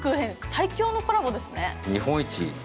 最強のコラボですね